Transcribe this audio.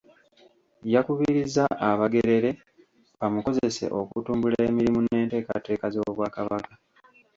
Yakubirizza Abagerere bamukozese okutumbula emirimu n’enteekateeka z’Obwakabaka.